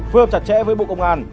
phương hợp chặt chẽ với bộ công an